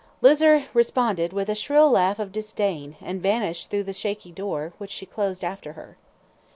Lizer responded with a shrill laugh of disdain, and vanished through the shaky door, which she closed after her.